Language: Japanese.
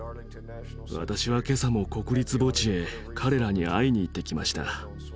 私は今朝も国立墓地へ彼らに会いにいってきました。